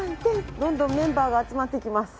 どんどんメンバーが集まってきます。